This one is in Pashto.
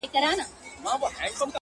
د نیمي شپې آذان ته به زوی مړی ملا راسي!